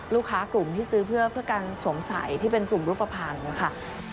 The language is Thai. ลูกค้ากลุ่มที่ซื้อเพื่อการสวมใส่ที่เป็นกลุ่มรูปภัณฑ์นะคะ